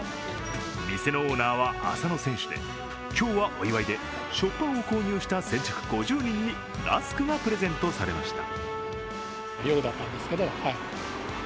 店のオーナーは浅野選手で今日はお祝いで食パンを購入した先着５０人にラスクがプレゼントされました。